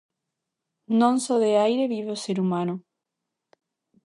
Non só de aire vive o ser humano.